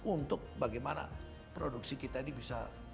untuk bagaimana produksi kita ini bisa